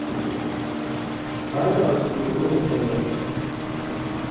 Baali bakusibyeko mu kkomera?